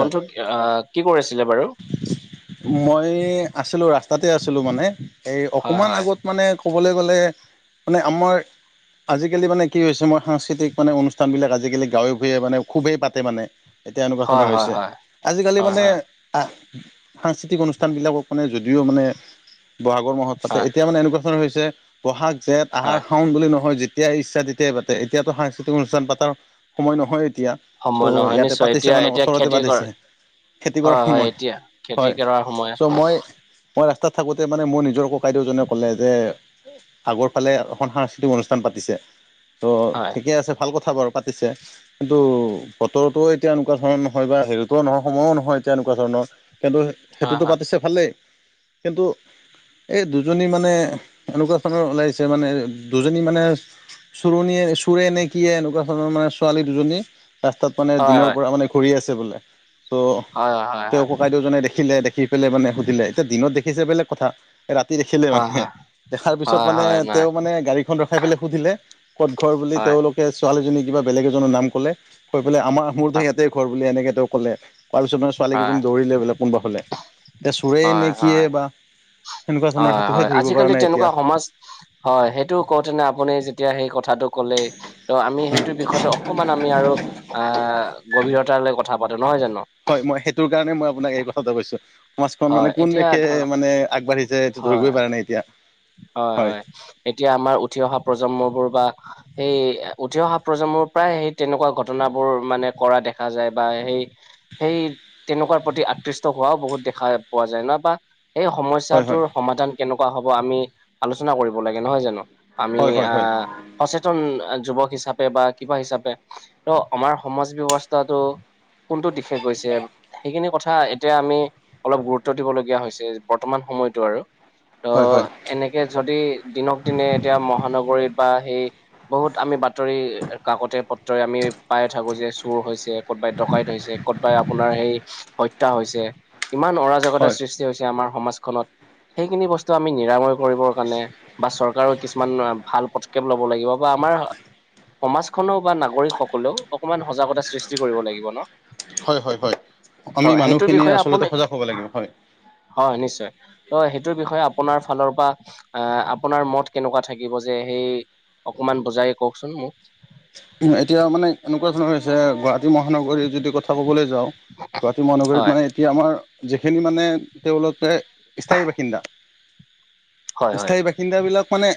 বন্ধু অ' কি কৰি আছিলে বাৰু? মই আছিলোঁ ৰাস্তাতে আছিলোঁ মানে এই হয় অকমান হয় আগত মানে ক'বলৈ গ'লে মানে আমাৰ আজিকালি মানে কি হৈছে, মই সাংস্কৃতিক মানে অনুষ্ঠানবিলাক আজিকালি গাঁৱে ভূঞে মানে খুবেই পাতে মানে। এতিয়া এনেকুৱা হয় ধণৰ হয় হৈছে। হয় আজিকালি হয় মানে হয় আহ সাংস্কৃতিক অনুষ্ঠান বিলাকক মানে যদিও মানে ব'হাগৰ মাহত পাতে হয় এতিয়া মানে এনেকুৱা ধৰণৰ হৈছে ব'হাগ, জেঠ, আহাৰ, হয় শাওন বুলি নহয় যেতিয়াই ইচ্ছা তেতিয়াই পাতে এতিয়াতো সাংস্কৃতিক অনুষ্ঠান পাতাৰ সময় নহয় এতিয়া। ত' সময় নহয় ইয়াতে নিশ্চয় পাতিছে মানে এতিয়া-এতিয়া ওচৰতে খেতি কৰে পাতিছে খেতি কৰাৰ হয়-হয় সময় এতিয়া খেতি হয় কৰাৰ সময়। চ' মই মই ৰাস্তাত থাকোঁতে মানে মোৰ নিজৰ ককাইদেউজনে ক'লে যে আগৰ ফালে এখন সাংস্কৃতিক অনুষ্ঠান পাতিছে ত' হয় ঠিকে আছে ভাল কথা বাৰু পাতিছে কিন্তু বতৰটো এতিয়া এনেকুৱা ধৰণৰ নহয় বা হেৰিটোও নহয় সময়ো নহয় এতিয়া এনেকুৱা ধৰণৰ কিন্তু হয় সেইটোতো পাতিছে। ভালেই, কিন্তু এই দুজনী মানে এনেকুৱা ধৰণৰ ওলাইছে মানে দুজনী মানে চুৰণীয়ে চোৰে নে কি এনেকুৱা ধৰণৰ মানে ছোৱালী দুজনী ৰাস্তাত মানে হয় হয় দিনৰ হয় পৰা মানে ঘূৰি আছে বোলে ত' হয় হয় হয় তেওঁ ককাইদেউ জনে দেখিলে দেখি পেলাই মানে সুধিলে এতিয়া দিনত দেখিছে বেলেগ কথা ৰাতি দেখিলে হয় মানে হয় দেখাৰ পিছত হয় মানে হয় নাই তেওঁ মানে গাড়ীখন ৰখাই পেলাই সুধিলে ক'ত ঘৰ বুলি হয় তেওঁলোক ছোৱালীজনী কিবা বেলেগ এজনৰ নাম ক'লে কৈ পেলে আমাৰ মোৰো ইয়াতেই ঘৰ বুলি এনেকে তেওঁ ক'লে। কোৱাৰ পিছত মানে ছোৱালী হয় কেইজনী দৌৰিলে বোলে কোনোবা ফালে এতিয়া চুৰেই নে কিয়ে বা। সেনেকুৱা ধৰণৰ সেইটোহে হয়-হয় ধৰিব পৰা আজিকালি নাই এতিয়া তেনেকুৱা সমাজ হয় সেইটো কওঁতেনে আপুনি যেতিয়া সেই কথাটো ক'লে ত' আমি সেইটো বিষয়টো অকমান আমি আৰু অ' গভীৰতালৈ কথা পাতোঁ নহয় জানো। হয় মই সেইটোৰ কাৰণে মই আপোনাক এই কথাটা কৈছোঁ। সমাজখন হয় মানে কোন এতিয়া দেশে ধৰক মানে আগবাঢ়িছে সেইটো হয় ধৰিবই পাৰে নাই এতিয়া হয়। এতিয়া আমাৰ উঠি অহা প্ৰজন্মবোৰ বা সেই উঠি অহা প্ৰজন্মৰ পৰাই সেই তেনেকুৱা ঘটনাবোৰ মানে কৰা দেখা যায় বা সেই সেই তেনেকুৱাৰ প্ৰতি আকৃষ্ট হোৱাও বহুত দেখা দেখা পোৱা যায় ন' বা সেই হয় হয় সমস্যাটোৰ সমাধান কেনেকুৱা হ'ব আমি আলোচনা কৰিব লাগে নহয় জানো আমি হয় হয় হয় অ' সচেতন যুৱক হিচাপে বা কিবা হিচাপে ত' আমাৰ সমাজ ব্যৱস্থাটো কোনটো দিশে গৈছে সেইখিনি কথা এতিয়া আমি অলপ গুৰুত্ব দিবলগীয়া হৈছে বৰ্তমান সময়তো আৰু। হয়-হয় এতিয়া যদি দিনক দিনে এতিয়া মহানগৰীত বা সেই বহুত আমি বাতৰি কাকতে পত্ৰই আমি পাই থাকোঁ যে চুৰ হৈছে। ক'তবাই ডকাই থৈছে ক'তবাই আপোনাৰ সেই হত্যা হৈছে ইমান অৰাজকতা হয় সৃষ্টি সৃষ্টি হৈছে আমাৰ সমাজখনত সেইখিনি বস্তু আমি নিৰাময় কৰিবৰ কাৰণে বা চৰকাৰৰ কিছু কিছুমান ভাল পদক্ষেপ ল'ব লাগিব বা আমাৰ সমাজ খনেও বা নাগৰিক সকলেও অকমান সজাগতা সৃষ্টি কৰিব লাগিব ন'? হয়-হয়-হয় আমি ত' সেইটোৰ মানুহখিনি বিষয়ে আচলতে আপুনি সজাগ হ'ব লাগিব হয়। হয় নিশ্চয়। ত সেইটোৰ বিষয়ে আপোনাৰ ফালৰ পৰা অ' আপোনাৰ মত কেনেকুৱা থাকিব যে সেই অকমান বজাই কওকচোন মোক। এতিয়া মানে এনেকুৱা ধৰণৰ হৈছে গ গুৱাহাটী মহানগৰীৰ যদি কথা ক'বলৈ যাওঁ গুৱাহাটী মহানগৰীত হয় মানে কি আমাৰ যিখিনি মানে তেওঁলোকে স্থায়ী বাসিন্দা হয় হয় স্থায়ী বাসিন্দাবিলাক মানে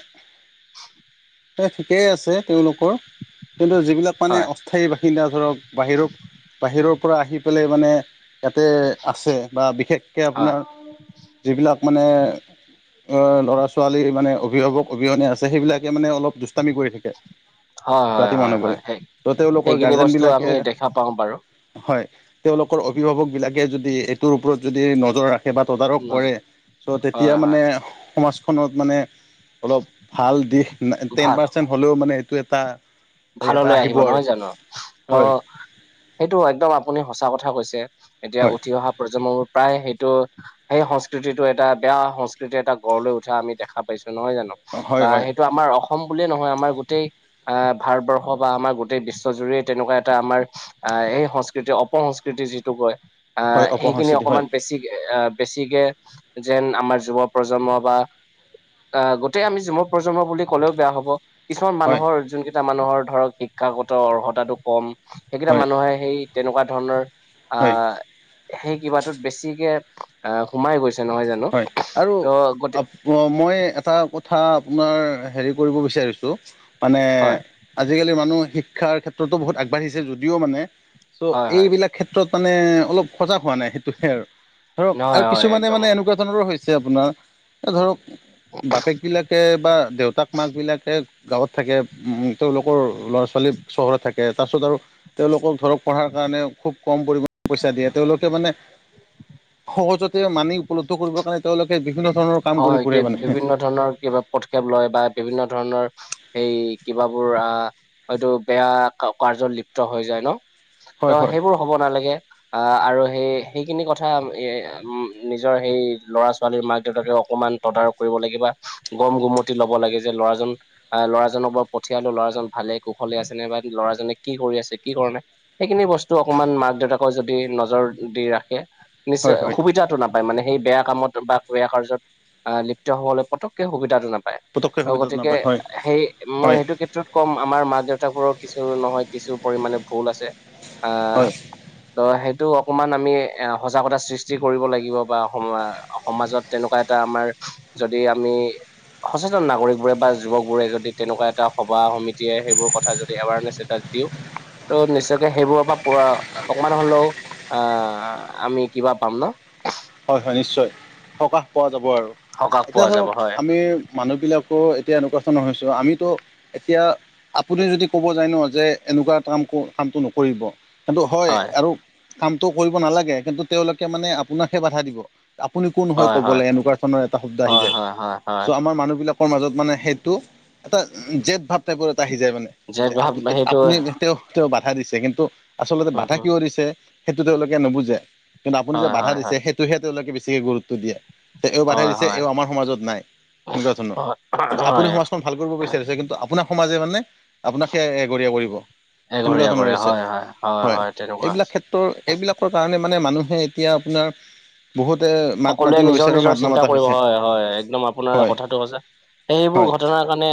এ ঠিকেই আছে তেওঁলোকৰ কিন্তু যিবিলাক মানে হয় অ স্থায়ী বাসিন্দা ধৰক বাহিৰৰ বাহিৰৰ পৰা আহি পেলাই মানে ইয়াতে আছে বা বিশেষকে হয় আপোনাৰ যিবিলাক মানে অ' ল'ৰা-ছোৱালী মানে অভিভাৱক অবিহনে আছে সেইবিলাকে মানে অলপ দুষ্টামি কৰি থাকে। হয় হয় ৰাতি হয় মনা কৰে হয় সেই ত' তেওঁলোকৰ সেইখিনি গাৰ্জেন বস্তু আমি বিলাকে দেখা পাওঁ বাৰু হয় তেওঁলোকৰ অভিভাৱক বিলাকে যদি এইটোৰ ওপৰত যদি নজৰ ৰাখ কিবা তদাৰক কৰে নজ- চ' তেতিয়া হয় হয় মানে সমাজখনত মানে অলপ ভাল দিশ না ভাল টেন পাৰ্চেন্ট হ'লেও মানে এইটো এটা এটা ভাললৈ আহিব আৰু নহয় জানো? হয় অঁ সেইটো একদম আপুনি সঁচা কথা কৈছে। এতিয়া হয় উঠি অহা প্ৰজন্মবোৰ প্ৰায় সেইটো সেই সংস্কৃতিটো এটা বেয়া সংস্কৃতিৰ এটা গড় লৈ উঠা আমি দেখা পাইছোঁ, নহয় জানো? হয় বা হয় সেইটো আমাৰ অসম বুলিয়ে নহয় আমাৰ গোটেই আহ ভাৰতবৰ্ষ বা আমাৰ গোটেই বিশ্বজুৰিৰে তেনেকুৱা এটা আমাৰ আহ এই সংস্কৃতি অপসং কৃতিৰ যিটো কয় আহ হয় সেইখিনি অপসংস্কৃতি হয় অকণমান বেছি কে এ বেছিকে যেন আমাৰ যুৱ প্ৰজন্ম বা আহ গোটেই আমি যুৱ প্ৰজন্ম বুলি ক'লেও বেয়া হ'ব। কিছুমান হয় মানুহৰ যোন কেইটা মানুহৰ ধৰক শিক্ষাগত অৰ্হতাটো কম। সেইকেইটা হয় মানুহে সেই তেনেকুৱা ধৰণৰ আ হয় সেই কিবাটোত বেছিকে আহ সোমাই গৈছে নহয় জানো? ত' গতি অঁ মই এটা কথা আপোনাৰ হেৰী কৰিব বিচাৰিছোঁ মানে হয় আজিকালি মানুহ শিক্ষাৰ ক্ষেত্ৰতো বহুত আগবাঢ়িছে যদিও মানে চ' হয় হয় এইবিলাক ক্ষেত্ৰত মানে অলপ সজাগ হোৱা নাই। সেইটোহে আৰু, ধৰক নহয় আৰু হয় কিছুমানে একদম মানে এনেকুৱা ধৰণৰো হৈছে আপোনাৰ, এ ধৰক বাপেক বিলাকে বা দেউতাক মাক বিলাকে গাঁৱত থাকে তেওঁলোকৰ ল'ৰা ছোৱালী চহৰত থাকে তাৰপিছত আৰু তেওঁলোকক ধৰক পঢ়াৰ কাৰণে খুব কম পৰিমাণৰ পইছা দিয়ে। তেওঁলোকে মানে সহজতে মানি উপলব্ধ কৰিবৰ কাৰণে তেওঁলোকে বিভিন্ন ধৰণৰ কাম কৰি হয় কি ফুৰে মানে বিভিন্ন ধৰণৰ কিবা পদক্ষেপ লয় বা বিভিন্ন ধৰণৰ সেই কিবাবোৰ আহ হয়তো বেয়া কা কাৰ্যত লিপ্ত হৈ যায়, ন? হয় ত' হয় সেইবোৰ হ'ব নালাগে। আহ আৰু সেই সেইখিনি কথা এ উম নিজৰ সেই ল'ৰা ছো ছোৱালীৰ মাক দেউতাকে অকমান তদাৰক কৰিব লাগিব বা গম গুমতি ল'ব লাগে যে ল'ৰাজন আ ল'ৰাজনক বা পঠিয়ালো ল'ৰাজন ভালে কুশলে আছে নাই বা ল'ৰাজনে কি কৰি আছে কি কৰা নাই। সেইখিনি বস্তু অকমান মাক দেউতাকৰ যদি নজৰ দি ৰাখে। হয় নিশ্চয় হয় সুবিধাটো নাপায় মানে সেই বেয়া কামত বা বেয়া কাৰ্যত আহ লিপ্ত হ'বলে পতককে সুবিধাটো নাপায়। পটককে আৰু সুবিধাটো গতিকে নাপায় হয়। সেই মই হয় সেইটো ক্ষেত্ৰত কম আমাৰ মা দেউতাবোৰৰো কিছু নহয় কিছু পৰিমাণে ভুল আছে। আ হয় ত' সেইটো অকমান আমি এ সজাগতা সৃষ্টি কৰিব লাগিব বা সমা সমাজত তেনেকুৱা এটা আমাৰ যদি আমি সচেতন নাগৰিকবোৰে বা যুৱকবোৰে যদি তেনেকুৱা এটা সভা সমিতিয়ে সেইবোৰ কথা যদি এৱাৰনেছ এটা দিওঁ। ত' নিশ্চয়কে সেইবোৰৰ পৰা পৰা অকমান হ'লেও আহ আমি কিবা পাম ন? হয় হয় নিশ্চয়। সকাহ পোৱা যাব আৰু সকাহ এতিয়া পোৱা যাব ধৰক হয় আমি মানুহ বিলাকো এতিয়া এনেকুৱা ধৰণৰ হৈছোঁ, আমিতো এতিয়া আপুনি যদি ক'ব যায় ন যে এনেকুৱা কামটো কামটো নকৰিব। কিন্তু হয় আৰু কামটো কৰিব নালাগে কিন্তু তেওঁলোকে মানে আপোনাকহে বাধা দিব। আপুনি কোন হয় ক'বলে এনেকুৱা ধৰণৰ এটা শব্দ আহি হয় যায়। হয় হয় হয় চ' আমাৰ মানুহ বিলাক ত্ৰৰ মাজত মানে সেইটো এটা জেদ ভাৱ এটা টাইপৰত আহি যায় মানে যে আ ভাৱ সেইটো আপুনি তেওঁ তেওঁ বাধা দিছে কিন্তু আচলতে উম বাধা হম কিয় দিছে সেইটো তেওঁলোকে নুবুজে কিন্তু আপুনি যে হয় বাধা হয় দি হয় সেইটোহে তেওঁলোকে বেছিকে গুৰুত্ব দিয়ে। তে এইবোৰ বাধা হয় দিছে হয় এইবোৰ আমাৰ সমাজত নাই। এনেকুৱা ধৰণৰ কিন্তু হয় আপুনি হয় সমাজ খন ভাল কৰিব বিচাৰিছে কিন্তু আপোনাক সমাজে মানে আপোনাক হে এঘৰীয়া কৰিব। সেনেকুৱা এঘৰীয়া খনৰ কৰে হৈছে হয় হয় হয় তেনেকুৱা হৈছে এইবিলাক ক্ষে ত এইবিলাকৰ কাৰণে মানে মানুহে এতিয়া আপোনাৰ বহুতে মাত সকলোৱে মাতিব নিজৰ বিচাৰো মাত নিজৰ চিন্তা নামাতা কৰিব হৈছে হয় হয় একদম আপোনাৰ হয় কথাটো সঁচা। সেইবোৰ হয় ঘটনাৰ কাৰণে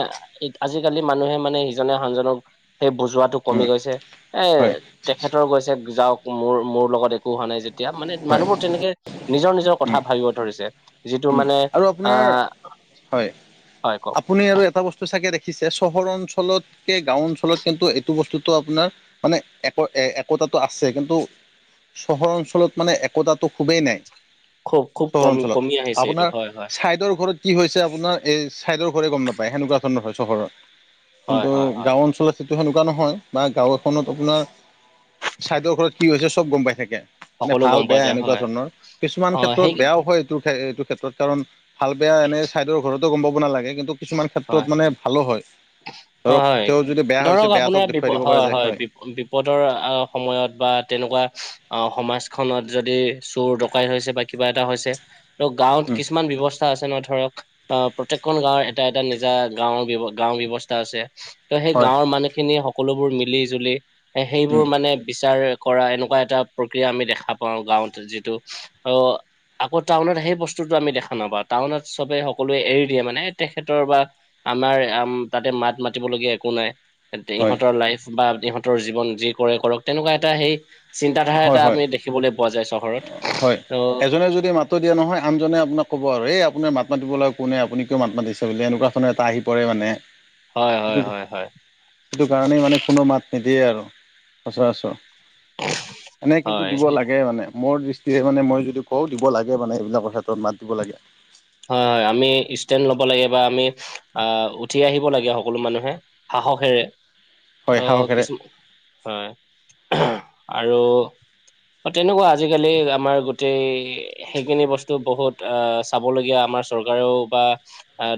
আজিকালি মানুহে মানে ইজনে সনজনক সেই বুজোৱাটো কমি উম গৈছে। এ হয়। তেখেতৰ গৈছে যাওক মোৰ মোৰ লগত একো হোৱা নাই যেতিয়া মানে হয় মানুহবোৰ তেনেকে নিজৰ নিজৰ কথা উম ভাবিব ধৰিছে যিটো উম মানে আৰু আপোনাৰ আহ হয় হয় কওক আপুনি আৰু এটা বস্তু চাগে দেখিছে চহৰ অঞ্চলত কে গাঁও অঞ্চলত কিন্তু এইটো বস্তুতটো আপোনাৰ মানে এক একোতাতো আছে কিন্তু চহৰ অঞ্চলত মানে একতাটো খুবেই নাই খুব খুব চহৰ কম অঞ্চলত কমি আহিছে এইটো আপোনাৰ হয় হয় চাইদৰ ঘৰত কি হৈছে আপোনাৰ এই চাইদৰ ঘৰে গম নাপায় সেনেকুৱা ধৰণৰ হয় চহৰৰ হয় কিন্তু হয় হয় গাওঁ অঞ্চলত সেইটো সেনেকুৱা নহয় বা গাঁও এখনত আপোনাৰ চাইডৰ ঘৰত কি হৈছে চব গম পাই থাকে মানে সকলো ভাল গম পোৱা বেয়া যায় এনেকুৱা হয় ধৰণৰ কিছুমান অ ক্ষেত্ৰত সেই বেয়াও হয় এইটো ক্ষেত্ৰত কাৰণ ভাল বেয়া এনে ছাইদৰ ঘৰতো গম পাব নালাগে কিন্তু কিছুমান হয় ক্ষেত্ৰত মানে ভালো হয় হয় ধৰক হয় তেওঁ যদি বেয়া ধৰক হৈছে আপোনাৰ বেয়াটোক বিপ দেখুৱাই দিব পৰা যায় হয়। বিপ বিপদৰ আহ সময়ত বা তেনেকুৱা আহ সমাজখনত যদি চোৰ ডকাই থৈছে বা কিবা এটা হৈছে ত গাঁৱত উম কিছুমান ব্যৱস্থা আছে ন ধৰক অ প্ৰত্যেকখন গাঁৱৰ এটা এটা নিজা গাঁওৰ গাওঁৰ ব্যৱস্থা আছে ত' সেই হয় গাঁৱৰ মানুহখিনিয়ে সক সকলোবোৰ মিলি জুলি এ সেইবোৰ উম মানে বিচাৰ কৰা এনেকুৱা এটা প্ৰক্ৰিয়া আমি দেখা পাওঁ গাঁৱত যিটো অ আকৌ টাউনত সেই বস্তুটো আমি দেখা নাপাওঁ টাউনত চবে সকলোৱে এৰি দিয়ে মানে তেখেতৰ বা আমাৰ আম তাতে মাত মাতিবলগীয়া একো নাই হয় ইহঁতৰ লাইফ বা ইহঁতৰ জীৱন যি কৰে কৰক তেনেকুৱা এটা সেই চিন্তাধাৰা হয় এটা হয় আমি দেখিবলৈ পোৱা যায় চহৰত ত যোনে যদি মাত টো দিয়ে নহয় আনজনে আপোনাক ক'ব আৰু এই আপোন মাত মাতিবলগা কোনে আপুনি কিয় মাত মাতিছে বুলি এনেকুৱা ধৰণৰ এটা আহি পৰে মানে হয় সেটো হয় হয় হয় সেটো কাৰণে মানে কোনো মাত নিদিয়ে আৰু সচৰাচ এনে কিন্তু হয় দিব হয় লাগে মানে মোৰ দৃ ষ্টিৰে মানে মই যদি কওঁ দিব লাগে মানে এইবিলাকৰ ক্ষেত্ৰত মাত দিব লাগে। হয় হয় আমি ষ্টেণ ল'ব লাগে বা আমি আহ উঠি আহিব লাগে সকলো মানুহে সাহসেৰে হয় অহ সাহসেৰে কিছু হয় আৰু তেনেকুৱা আজিকালি আমাৰ গোটেই সেইখিনি বস্তু বহুত অ চ চাবলগীয়া আমাৰ চৰকাৰেও বা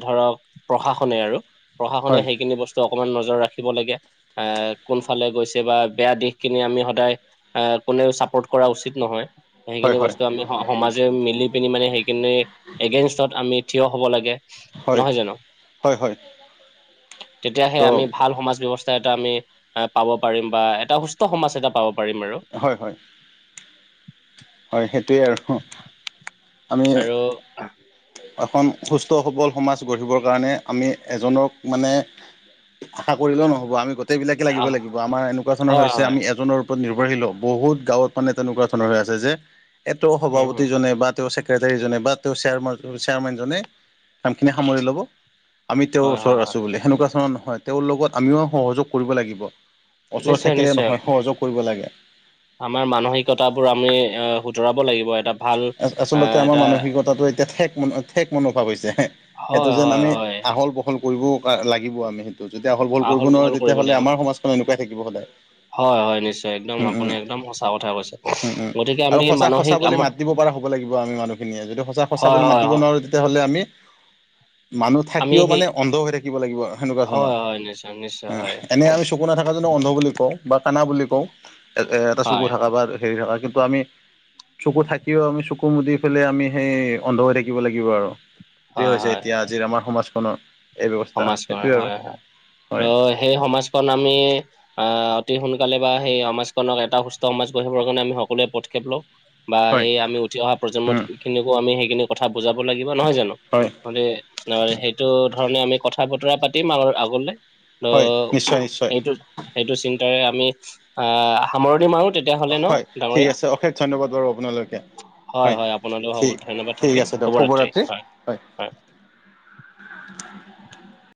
ধৰক প্ৰশাসনে আৰু প্ৰশাসনে হয় সেইখিনি বস্ স্তু অকমান নজৰ ৰাখিব লাগে আহ কোনফালে গৈছে বা বেয়া দিশখিনি আমি সদায় আহ কোনেও চাপোৰ্ট কৰা উচিত নহয়। হয় সেইখিনি হয় বস্তু আমি সমাজে মিলি পিনি মানে সেইখিনি এগেইনষ্টত আমি থিয় হ'ব লাগে হয় নহয় জানো। হয় হয় তেতিয়াহে চ' আমি ভাল সমাজ ব্যৱ তাত, আমি পাব পাৰিম বা এটা সুস্থ সমাজ এটা পাব পাৰিম আৰু। হয় হয় হয় সেইটোৱে আৰু আমি আৰু এখন সুস্থ সবল সমাজ গঢ়িবৰ কাৰণে আমি এজনক মানে- আশা কৰিলেও নহ'ব আমি গোটেই বিলাকে লাগিব আহ লাগিব, আমাৰ এনেকুৱা ধৰণৰ হয় হৈছে হয় আমি এজনৰ- নিৰ্ভৰশীল বহুত গাঁৱত মানে তেনেকুৱা ধৰণৰ হৈ আছে যে এইটো উম হম সভাপতিজনে বা- ছেক্ৰটীজনে বা তেওঁ চেয়াৰমেনজনে কামখিনি সামৰি ল'ব। আমি তেওঁৰ হয় হয় ওচৰত হয় আছো বুলি সেনেকুৱা ধৰণৰ নহয় তেওঁৰ লগত আমিও সহযোগ কৰিব লাগিব। ওচৰত নিশ্চয় থাকিলে নিশ্চয় নহয় সহযোগ কৰিব লাগে। আমাৰ মানসিকতাবোৰ আমি অঁ শুধৰাব লাগিব এটা। ভাল আচলতে আহ আমাৰ এটা মানসিকতাটো এতিয়া ঠেক ঠেক মনোভাৱ হৈছে হ। হয় সেইটো যেন হয় আমি হয় আহল বহল ল কৰিব লাগিব আমি সেইটো যদি আহল বহল কৰিব নোৱাৰোঁ তেতিয়াহ'লে আমাৰ সমাজখন এনেকুৱাই থাকিব সদায়। হয় হয় নিশ্চয় একদম উম আপুনি উম একদম সঁচা কথা কৈছে, গতিকে আমি মানসিক আমাৰ- মাতিব পৰা হ'ব লাগিব আমি মানুহখিনিয়ে যদি সঁচা সঁচা হয় বুলি হয় মাতিব হয় নোৱাৰো তেতিয়াহ'লে আমি- মানুহ আমি থাকিও সেই মানে অন্ধ হৈ থাকিব লাগিব সেনেকুৱা হয় ধৰণৰ, হয় নিশ্চয় নিশ্চয় অ হয় এনে আমি চকু নাথাকো। নথকা জনক অন্ধ বুলি কওঁ বা কানা বুলি কওঁ এ এটা চকু হয় থাকা বা- হে ৰাতি পোৱা আমি, চকু থাকি- আমি চকু মুদি ফেললে আমি সেই অন্ধ হৈ থাকিব লাগিব আৰু, সেইটোয়ে হয় হৈছে হয় এতিয়া- আজিৰ আমাৰ সমাজখনৰ এই ব্যৱস্থা সমাজ গঢ় সেইটোৱে হয় আৰু হয় হয়। আৰু সেই সমাজখন আমি। আহ অতি সোনকালে বা সেই সমাজখনক এটা সুস্থ সমাজ গঢ়িবৰ কাৰণে আমি সকলোৱে পদক্ষেপ লওঁ। বা হয়। সেই আমি উঠি অহা প্ৰজন্ম উম খিনিকো আমি সেইখিনি কথা বুজাব লাগিব নহয় জানো। হয় মানে সেইটো ধৰণে আমি কথা বতৰা পাতিম আৰু আগলে। ত হয় নিশ্চয় নিশ্চয় এইটো সেইটো চিন্তাৰে আমি আহঁ সামৰণি মাৰো। তেতিয়াহ'লে ন হয় ঠিক ডাঙৰীয়া? আছে অশেষ ধন্যবাদ বাৰু আপোনালৈকে। হয় হয় আপোনালৈও হ'ব ঠিক ধন্যবাদ ঠিক থাকিল আছে দিয়ক শুভৰাত্ৰি হয়। হয়।